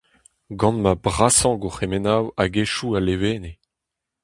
Gant ma brasañ gourc'hemennoù ha hetoù a levenez.